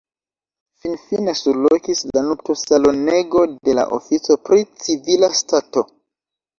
Finfine surlokis la nuptosalonego de la ofico pri civila stato.